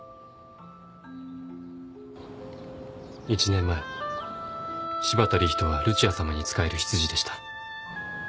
１年前柴田理人はルチアさまに仕える執事でした。